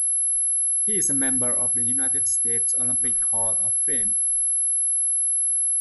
He is a member of the United States Olympic Hall of Fame.